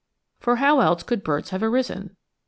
For how else could Birds have arisen?